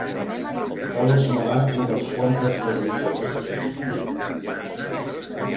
Cal esmenar unes quantes negligències.